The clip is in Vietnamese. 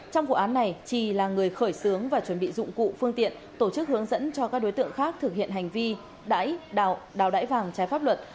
trong vụ án này trì là người khởi xướng và chuẩn bị dụng cụ phương tiện tổ chức hướng dẫn cho các đối tượng khác thực hiện hành vi đào đáy vàng trái pháp luật